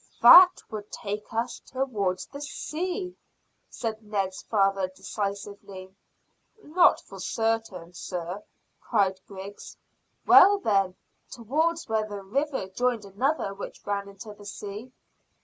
"That would take us towards the sea," said Ned's father decisively. "Not for certain, sir," cried Griggs. "Well, then, towards where the river joined another which ran into the sea."